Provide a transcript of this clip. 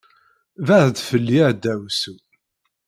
Bɛed fell-i a ddeɛwessu!